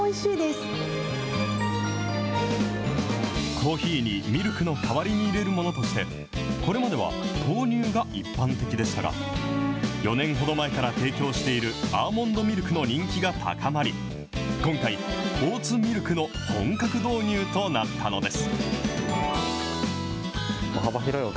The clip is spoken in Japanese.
コーヒーにミルクの代わりに入れるものとして、これまでは、豆乳が一般的でしたが、４年ほど前から提供しているアーモンドミルクの人気が高まり、今回、オーツミルクの本格導入となったのです。